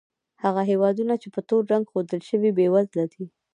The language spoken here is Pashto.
هغه هېوادونه چې په تور رنګ ښودل شوي، بېوزله دي.